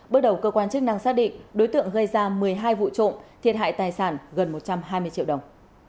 bước đầu cơ quan chức năng xác định đối tượng gây ra một mươi hai vụ trộm thiệt hại tài sản gần một trăm hai mươi triệu đồng